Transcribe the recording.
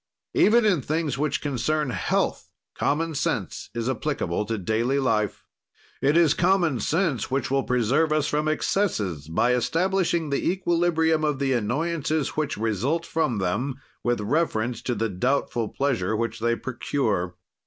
Even in things which concern health, common sense is applicable to daily life. It is common sense which will preserve us from excesses, by establishing the equilibrium of the annoyances which result from them, with reference to the doubtful pleasure which they procure.